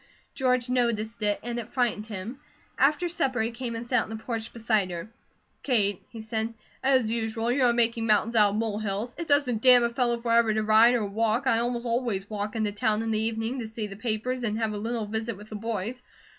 George noticed it, and it frightened him. After supper he came and sat on the porch beside her. "Kate," he said, "as usual you are 'making mountains out of mole hills.' It doesn't damn a fellow forever to ride or walk, I almost always walk, into town in the evening, to see the papers and have a little visit with the boys.